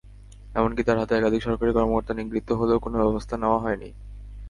এমনকি তাঁর হাতে একাধিক সরকারি কর্মকর্তা নিগৃহীত হলেও কোনো ব্যবস্থা নেওয়া হয়নি।